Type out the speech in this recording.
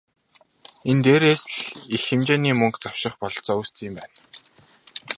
Энэ дээрээс л их хэмжээний мөнгө завших бололцоо үүсдэг юм байна.